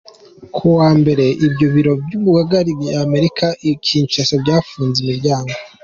Ku wa mbere, ibyo biro by'uhagarariye Amerika i Kinshasa byafunze imiryango.